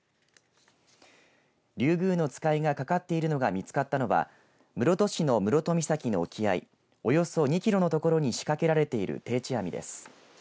リュウグウノツカイがかかっているのが見つかったのは室戸市の室戸岬の沖合およそ２キロのところに仕掛けられている定置網です。